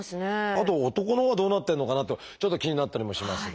あと男のほうはどうなってるのかなとちょっと気になったりもしますが。